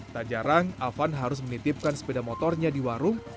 tak jarang afan harus menitipkan sepeda motornya di warung